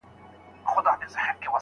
پلار زوی ته غوصه نه کوي.